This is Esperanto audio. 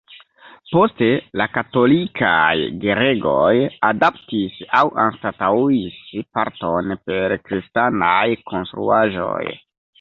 Poste, la Katolikaj Gereĝoj adaptis aŭ anstataŭis parton per kristanaj konstruaĵoj.